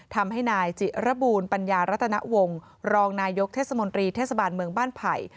ทำให้นายจิระบูลปัญญารัตนวงศ์รองนายกเทศมนตรีเทศบาลเมืองบ้านไผ่